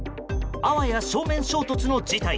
あわや正面衝突の事態。